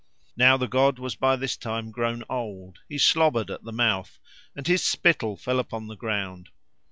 Now the god was by this time grown old; he slobbered at the mouth and his spittle fell upon the ground.